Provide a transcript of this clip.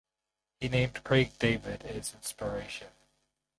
He named Craig David as inspiration.